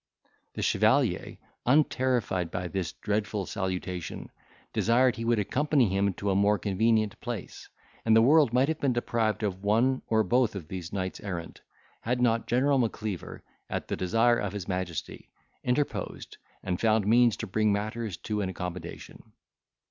The chevalier, unterrified by this dreadful salutation, desired he would accompany him to a more convenient place; and the world might have been deprived of one or both these knights errant, had not General Macleaver, at the desire of his majesty, interposed, and found means to bring matters to an accommodation.